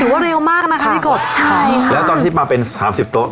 ว่าเร็วมากนะคะพี่กบใช่ค่ะแล้วตอนที่มาเป็นสามสิบโต๊ะ